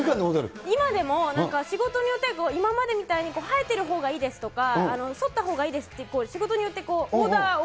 今でもなんか仕事によって、今までみたいに生えてるほうがいいですとか、そったほうがいいですって、仕事によって、オーダーを。